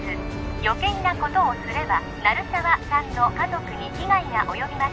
余計なことをすれば鳴沢さんの家族に危害が及びます